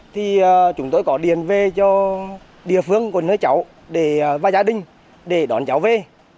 thì chúng tôi có điện về cho địa phương của nơi cháu và gia đình để đón cháu về